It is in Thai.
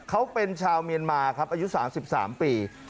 เขาเป็นชาวเมียนมาครับอายุ๓๓ปี